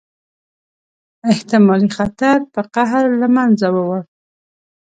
احتمالي خطر په قهر له منځه ووړ.